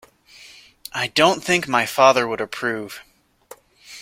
I don’t think my father would approve